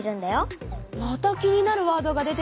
また気になるワードが出てきたわね。